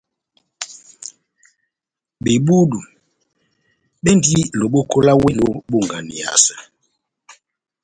Bebudu bendi loboko lá wéh lobonganiyasɛ.